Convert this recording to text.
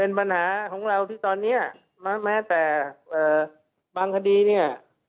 เป็นปัญหาของเราที่ตอนนี้แม้แต่บางคดีเนี่ย